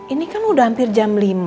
ini kan udah hampir jam lima